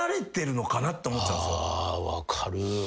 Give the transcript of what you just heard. あ分かる。